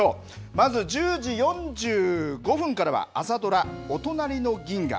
まず１０時４５分からは、朝ドラおとなりに銀河。